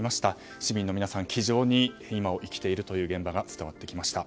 市民の皆さん、気丈に今を生きていると伝わってきました。